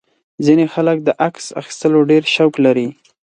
ځینې خلک د عکس اخیستلو ډېر شوق لري.